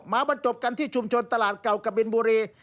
บรรจบกันที่ชุมชนตลาดเก่ากะบินบุรี